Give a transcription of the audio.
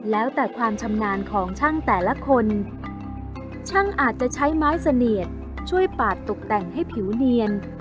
แล้วแต่ความชำนาญของช่างแต่ละคนช่างอาจจะใช้ไม้เสนียดช่วยปาดตกแต่งให้ผิวเนียน